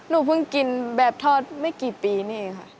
หนูเพิ่งกินแบบทอดไม่กี่ปีนี่ค่ะ